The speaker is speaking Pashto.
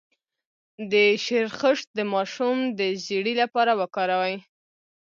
د شیرخشت د ماشوم د ژیړي لپاره وکاروئ